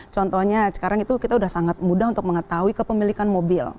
contohnya sekarang itu kita sudah sangat mudah untuk mengetahui kepemilikan mobil